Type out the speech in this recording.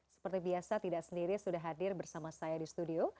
seperti biasa tidak sendiri sudah hadir bersama saya di studio